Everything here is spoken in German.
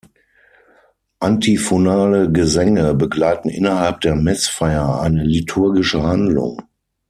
Antiphonale Gesänge begleiten innerhalb der Messfeier eine liturgische Handlung.